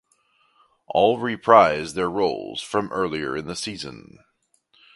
All reprise their roles from earlier in the season.